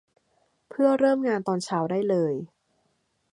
เพื่อเริ่มงานตอนเช้าได้เลย